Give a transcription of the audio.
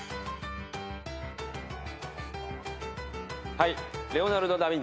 はい。